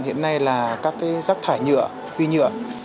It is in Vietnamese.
hiện nay là các rác thải nhựa huy nhựa